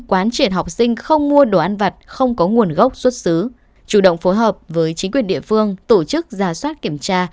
quán triệt học sinh không mua đồ ăn vặt không có nguồn gốc xuất xứ chủ động phối hợp với chính quyền địa phương tổ chức ra soát kiểm tra